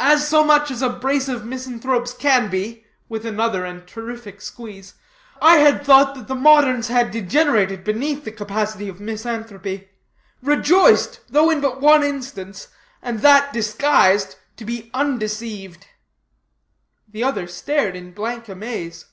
"As much so as a brace of misanthropes can be," with another and terrific squeeze. "I had thought that the moderns had degenerated beneath the capacity of misanthropy. Rejoiced, though but in one instance, and that disguised, to be undeceived." The other stared in blank amaze.